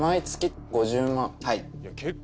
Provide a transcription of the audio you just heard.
はい。